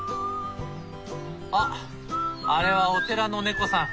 あっあれはお寺の猫さん。